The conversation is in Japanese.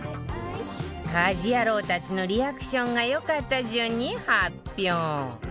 家事ヤロウたちのリアクションが良かった順に発表